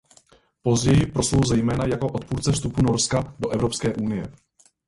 Později proslul zejména jako odpůrce vstupu Norska do Evropské unie.